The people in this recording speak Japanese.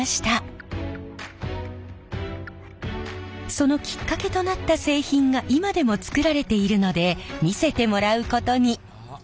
そのきっかけとなった製品が今でも作られているので見せてもらうことに。